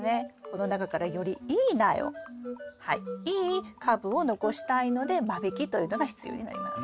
この中からよりいい苗をはいいい株を残したいので間引きというのが必要になります。